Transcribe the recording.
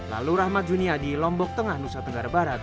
lalu rahmat junia di lombok tengah nusa tenggara barat